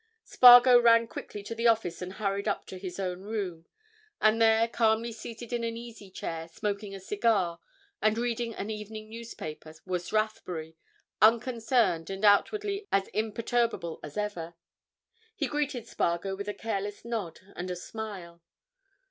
Spargo ran quickly to the office and hurried up to his own room. And there, calmly seated in an easy chair, smoking a cigar, and reading an evening newspaper, was Rathbury, unconcerned and outwardly as imperturbable as ever. He greeted Spargo with a careless nod and a smile.